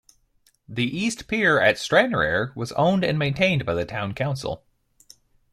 The East Pier at Stranraer was owned and maintained by the Town Council.